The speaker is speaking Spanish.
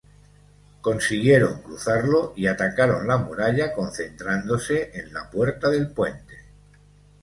Consiguieron cruzarlo y atacaron la muralla concentrándose en la Puerta del Puente.